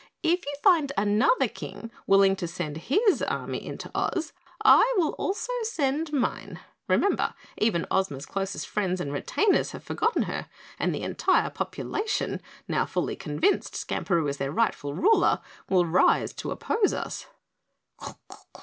"If you find another King willing to send his army into Oz, I will also send mine. Remember, even Ozma's closest friends and retainers have forgotten her and the entire population, now fully convinced Skamperoo is their rightful ruler, will rise to oppose us."